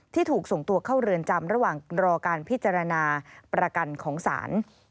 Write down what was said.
ถูกส่งตัวเข้าเรือนจำระหว่างรอการพิจารณาประกันของศาล